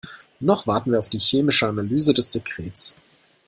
Noch warten wir auf die chemische Analyse des Sekrets.